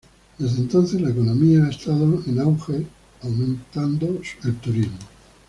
Desde entonces la economía ha estado en auge, aumentando el turismo.